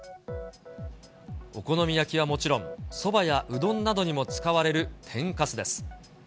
お好み焼きはもちろん、そばやうどんなどにも使われる天かすです。